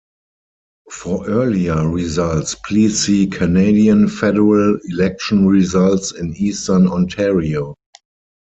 For earlier results, please see Canadian federal election results in Eastern Ontario.